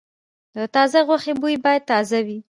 د تازه غوښې بوی باید تازه وي.